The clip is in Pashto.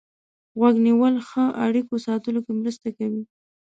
غوږ نیول ښه اړیکو ساتلو کې مرسته کوي.